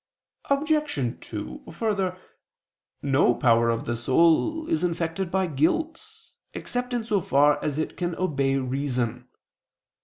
Obj. 2: Further, no power of the soul is infected by guilt, except in so far as it can obey reason.